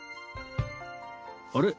あれ？